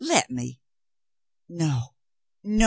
Let me." "No, no.